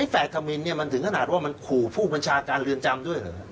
แฝดธมินเนี่ยมันถึงขนาดว่ามันขู่ผู้บัญชาการเรือนจำด้วยเหรอ